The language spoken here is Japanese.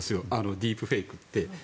ディープフェイクって。